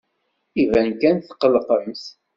Iban kan tetqellqemt.